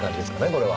これは。